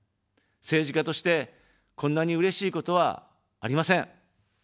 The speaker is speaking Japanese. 政治家として、こんなにうれしいことはありません。